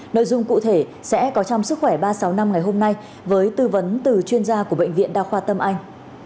nội dung cụ thể sẽ có trong sức khỏe ba trăm sáu mươi năm ngày hôm nay với tư vấn từ chuyên gia của bệnh viện đa khoa tâm anh